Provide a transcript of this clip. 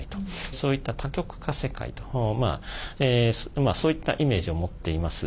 そういった多極化世界とそういったイメージを持っています。